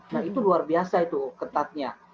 nah itu luar biasa itu ketatnya